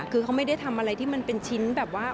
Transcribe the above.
คือเขาไม่ได้ทำอะไรที่มันเป็นชิ้นแบบว่า